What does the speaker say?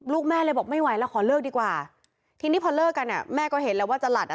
แม่เลยบอกไม่ไหวแล้วขอเลิกดีกว่าทีนี้พอเลิกกันอ่ะแม่ก็เห็นแล้วว่าจรัสอ่ะ